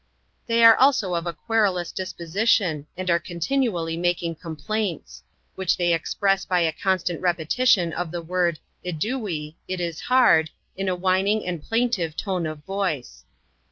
They are also of a querulous disposition, and are continu ally making complaints; which they express by a constant repetition of the word eduiy, "it is hard," in a whining and plaintive tone of voice.